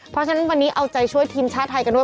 เพราะฉะนั้นวันนี้เอาใจช่วยทีมชาติไทยกันด้วย